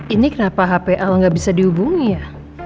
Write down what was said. ini kenapa hape al gak bisa dihubungi ya